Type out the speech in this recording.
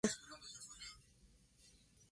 El ordeño de la oveja se realiza de forma artesanal.